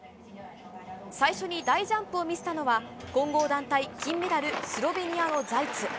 最初に大ジャンプを見せたのは、混合団体金メダル、スロベニアのザイツ。